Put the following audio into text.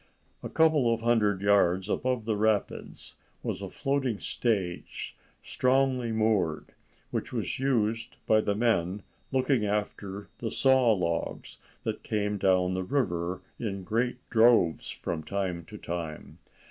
A couple of hundred yards above the rapids was a floating stage, strongly moored, which was used by the men looking after the saw logs that came down the river in great droves from time to time.